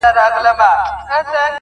په زلفو ورا مه كوه مړ به مي كړې.